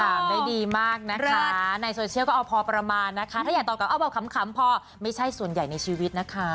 ได้ดีมากนะคะในโซเชียลก็เอาพอประมาณนะคะถ้าอยากตอบกลับเอาแบบขำพอไม่ใช่ส่วนใหญ่ในชีวิตนะคะ